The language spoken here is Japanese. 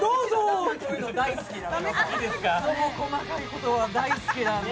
こういう細かいことは大好きなんで。